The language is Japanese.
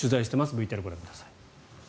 ＶＴＲをご覧ください。